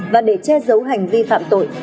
và để che giấu hành vi phạm tội